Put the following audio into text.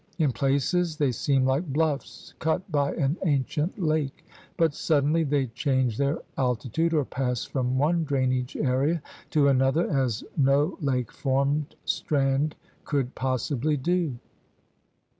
In places they seem like bluffs cut by an ancient lake, but suddenly they change their alti tude or pass from one drainage area to another as no lake formed strand could possibly do.